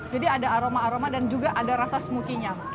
jadi ada aroma aroma dan juga ada rasa smokinya